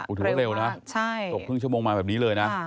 อุดถูกแล้วเร็วนะตกครึ่งชั่วโมงมาแบบนี้เลยนะ